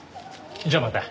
じゃあまた。